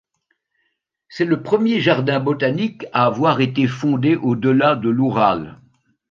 C'est le premier jardin botanique à avoir été fondé au-delà de l'Oural.